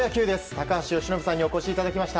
高橋由伸さんにお越しいただきました。